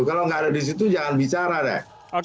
kalau nggak ada di situ jangan bicara deh